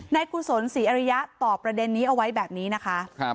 กุศลศรีอริยะตอบประเด็นนี้เอาไว้แบบนี้นะคะ